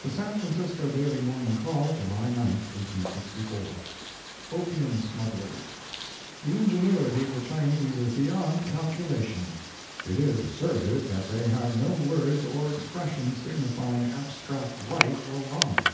The San Francisco Daily Morning Call, July 9, 1864 OPIUM SMUGGLERS The ingenuity of the Chinese is beyond calculation. It is asserted that they have no words or expressions signifying abstract right or wrong.